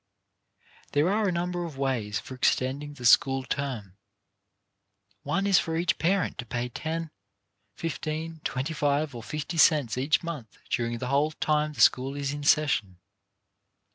There are a number of ways for extending the school term. One is for each parent to pay ten, i8 4 CHARACTER BUILDING fifteen, twenty five or fifty cents each month during the whole time the school is in session.